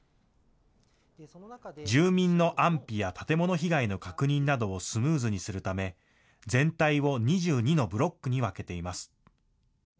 住民の安否や建物被害の確認などをスムーズにするため全体を２２のブロックに分けています。